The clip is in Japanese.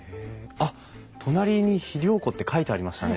あっ隣に肥料庫って書いてありましたね。